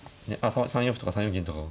３四歩とか３四銀とか。